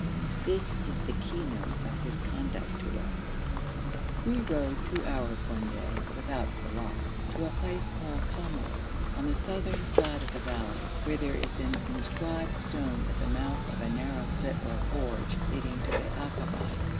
This is the keynote of his conduct to us. We rode two hours one day, without Saleh, to a place called Kamour, on the southern side of the valley, where there is an inscribed stone at the mouth of a narrow slit or gorge leading to the akaba.